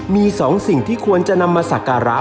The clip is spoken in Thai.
มีสองสิ่งที่ควรจะนำมาศักรา